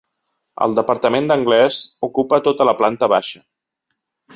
El Departament d'Anglès ocupa tota la planta baixa.